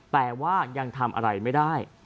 แต่ว่ายังทำอะไรไม่ได้